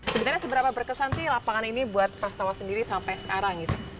sebenarnya seberapa berkesan sih lapangan ini buat mas tawa sendiri sampai sekarang